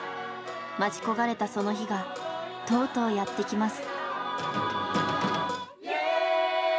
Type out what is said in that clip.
待ち焦がれたその日がとうとうやって来ます。